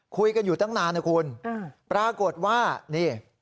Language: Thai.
คุยกันอยู่ตั้งนานนะคุณปรากฏว่านี่